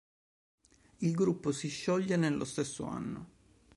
Il gruppo si scioglie nello stesso anno.